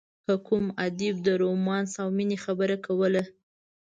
که کوم ادیب د رومانس او مینې خبره کوله.